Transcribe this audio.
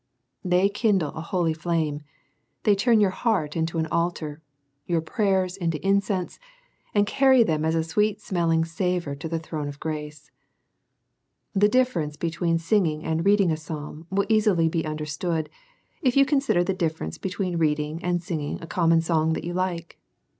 They kindle an holy flame, they turn your heart into an altar, your prayers into incense, and carry them as a sweet smelling savour to the throne of grace. The difference between singing and reading a psalm will easily be understood, if you consider the difference between reading and singing a common song that you like.